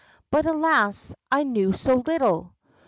But alas, I knew so little